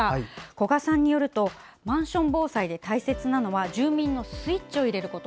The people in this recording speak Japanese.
古賀さんによるとマンション防災で大事なのは住民のスイッチを入れること。